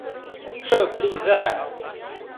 — Шып лийза!..